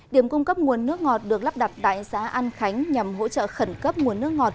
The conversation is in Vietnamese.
điểm cung cấp nguồn nước ngọt được lắp đặt tại xã an khánh nhằm hỗ trợ khẩn cấp nguồn nước ngọt